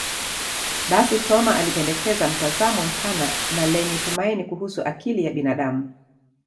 Basi, Thoma alipendekeza mtazamo mpana na lenye tumaini kuhusu akili ya binadamu.